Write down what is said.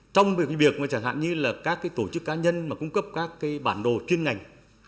trong việc chẳng hạn như là các tổ chức cá nhân mà cung cấp các bản đồ chuyên ngành